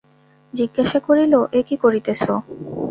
জিজ্ঞাসা করিল, এ কী করিতেছ?